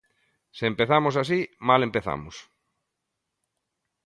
Se empezamos así, mal empezamos.